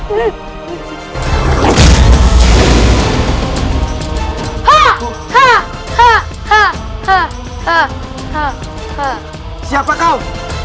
ibu harus tetap hidup bu